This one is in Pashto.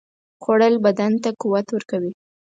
خوړل بدن ته قوت ورکوي